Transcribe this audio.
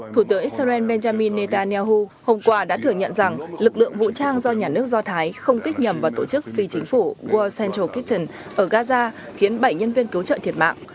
thủ tướng israel benjamin netanyahu hôm qua đã thừa nhận rằng lực lượng vũ trang do nhà nước do thái không kích nhầm vào tổ chức phi chính phủ world central kitchen ở gaza khiến bảy nhân viên cứu trợ thiệt mạng